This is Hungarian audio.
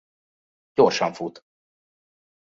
Gyorsan fut.